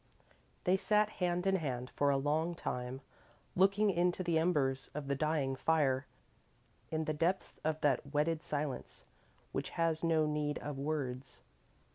They sat hand in hand for a long time, looking into the embers of the dying fire, in the depths of that wedded silence which has no need of words.